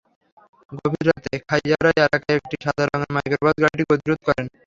গভীর রাতে খাইয়ারা এলাকায় একটি সাদা রঙের মাইক্রোবাস গাড়িটির গতিরোধ করে।